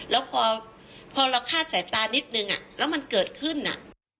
แล้วพอเราคาดสายตานิดนึงอ่ะแล้วมันเกิดขึ้นอ่ะ